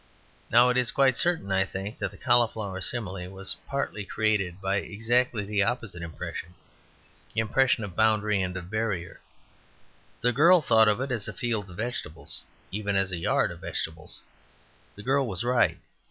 Now it is quite certain, I think, that the cauliflower simile was partly created by exactly the opposite impression, the impression of boundary and of barrier. The girl thought of it as a field of vegetables, even as a yard of vegetables. The girl was right.